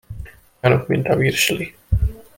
Olyanok, mint a virsli.